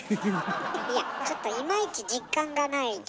いやちょっといまいち実感がないけど。